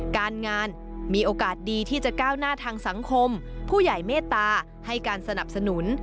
การงานมีโอกาสดีที่จะก้าวหน้าทางสังคมผู้ใหญ่เมตตาให้การสนับสนุน